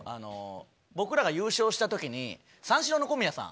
僕らが優勝した時に三四郎の小宮さん